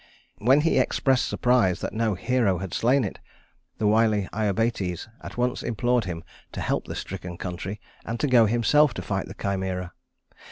When he expressed surprise that no hero had slain it, the wily Iobates at once implored him to help the stricken country and to go himself to fight the Chimæra.